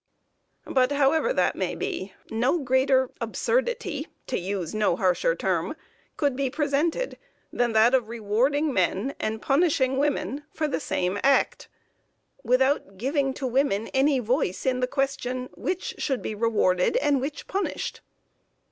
But however that may be, no greater absurdity, to use no harsher term, could be presented, than that of rewarding men and punishing women, for the same act, without giving to women any voice in the question which should be rewarded, and which punished.